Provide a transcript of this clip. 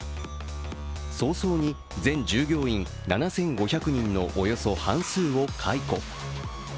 早々に全従業員７５００人のおよそ半数を解雇。